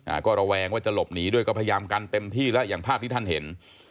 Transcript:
ระแวงว่าจะหลบหนีด้วยก็พยายามกันเต็มที่แล้วอย่างภาพที่ท่านเห็น